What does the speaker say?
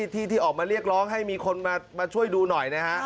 ที่ออกมาเรียกร้องให้มีคนมาช่วยดูหน่อยนะฮะ